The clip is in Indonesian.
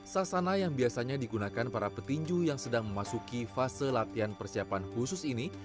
sasana yang biasanya digunakan para petinju yang sedang memasuki fase latihan persiapan khusus ini